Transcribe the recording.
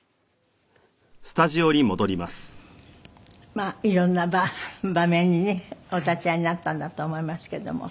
まあいろんな場面にねお立ち会いになったんだと思いますけども。